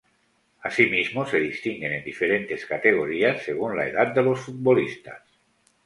Asimismo, se distinguen en diferentes categorías según la edad de los futbolistas.